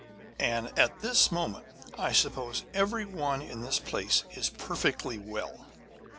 'And at this moment I suppose every one in this place is perfectly well!'